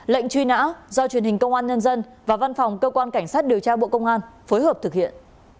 lệnh truy nã do truyền hình công an nhân dân và văn phòng cơ quan cảnh sát điều tra bộ công an phối hợp thực hiện